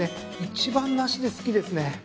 一番梨で好きですね！